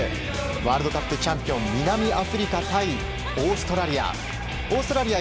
ワールドカップチャンピオン南アフリカ対オーストラリア。